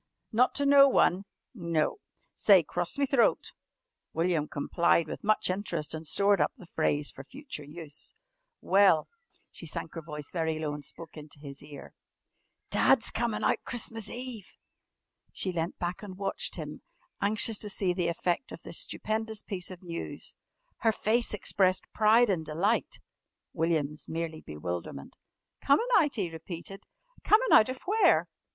"Not to no one?" "No." "Say, 'Cross me throat.'" William complied with much interest and stored up the phrase for future use. "Well," she sank her voice very low and spoke into his ear. "Dad's comin' out Christmas Eve!" She leant back and watched him, anxious to see the effect of this stupendous piece of news. Her face expressed pride and delight, William's merely bewilderment. "Comin' out?" he repeated. "Comin' out of where?"